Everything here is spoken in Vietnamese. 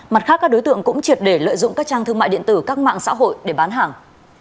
mặt khác các đối tượng cũng triệt để lợi dụng các trang thương mại điện tử các mạng xã hội để bán hàng